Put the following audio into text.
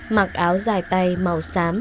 mặc áo dài tay màu xám